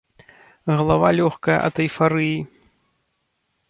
Галава лёгкая ад эйфарыі.